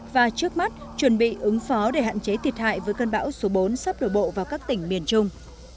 và trước mắt chuẩn bị ứng phó để hạn chế thiệt hại với cơn bão số bốn sắp đổ bộ vào các tỉnh miền trung